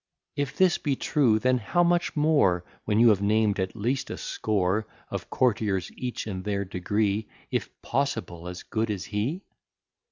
If this be true, then how much more When you have named at least a score Of courtiers, each in their degree, If possible, as good as he?